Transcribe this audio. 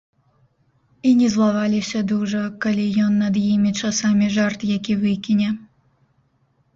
І не злаваліся дужа, калі ён над імі часамі жарт які выкіне.